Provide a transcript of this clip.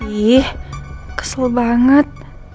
ih kesel banget